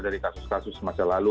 dari kasus kasus masa lalu